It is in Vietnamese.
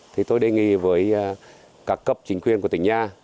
thì tôi đề nghị với các cấp chính quyền của tỉnh nhà